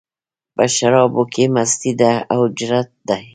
په شرابو کې مستي ده، او جرت دی